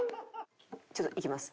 ちょっといきます。